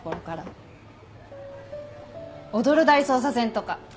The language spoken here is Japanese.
『踊る大捜査線』とか。